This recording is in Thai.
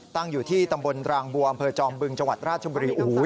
ตั้งอยู่ที่ตำบลรางบัวอำเภอจอมบึงจังหวัดราชบุรีโอ้โห